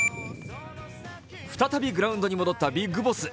再びグラウンドに戻ったビッグボス。